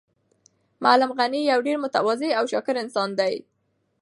معلم غني یو ډېر متواضع او شاکر انسان دی.